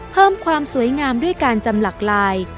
เพิ่มความสวยงามด้วยการจำหลักลาย